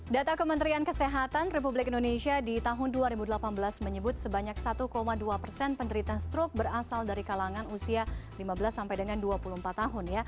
data kementerian kesehatan republik indonesia di tahun dua ribu delapan belas menyebut sebanyak satu dua persen penderita stroke berasal dari kalangan usia lima belas sampai dengan dua puluh empat tahun